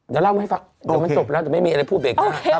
เดี๋ยวเล่าให้ฟังเดี๋ยวมันจบแล้วแต่ไม่มีอะไรพูดเบรกหน้า